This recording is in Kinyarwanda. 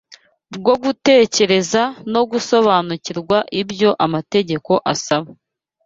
bwo gutekereza no gusobanukirwa ibyo amategeko asaba